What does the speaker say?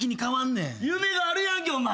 夢があるやんけお前。